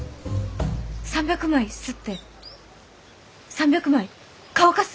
３００枚刷って３００枚乾かす？